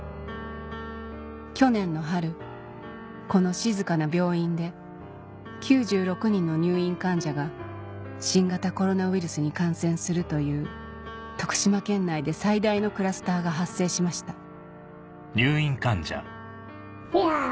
去年の春この静かな病院で９６人の入院患者が新型コロナウイルスに感染するというが発生しました